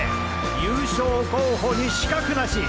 優勝候補に死角なし！